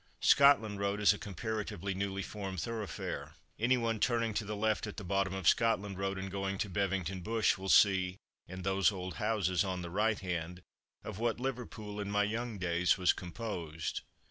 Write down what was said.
Scotland road is a comparatively newly formed thoroughfare. Any one turning to the left at the bottom of Scotland road, and going to Bevington Bush will see, in those old houses on the right hand, of what Liverpool, in my young days, was composed.